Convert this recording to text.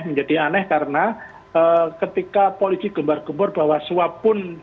menjadi aneh karena ketika polisi gembar gembur bahwa suap pun